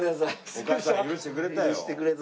お母さん許してくれたよ。